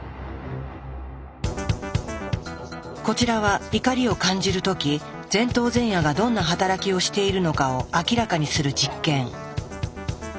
こちらは怒りを感じる時前頭前野がどんな働きをしているのかを明らかにする実験。